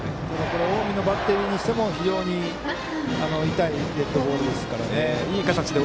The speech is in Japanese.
近江のバッテリーにしても痛いデッドボールですからね。